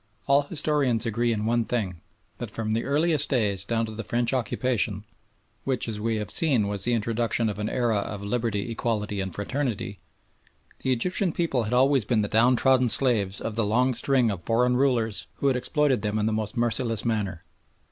All historians agree in one thing that from the earliest days down to the French occupation (which, as we have seen, was the introduction of an era of "liberty, equality, and fraternity") the Egyptian people had always been the downtrodden slaves of the long string of foreign rulers who had exploited them in the most merciless manner.